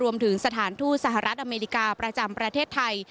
สถานทูตสหรัฐอเมริกาประจำประเทศไทย